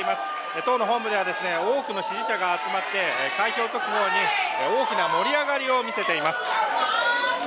党の本部では多くの支持者が集まって開票速報に大きな盛り上がりを見せています。